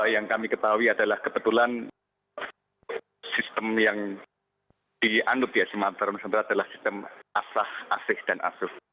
yang kami ketahui adalah kebetulan sistem yang diandung di asimantara adalah sistem asah asih dan asuf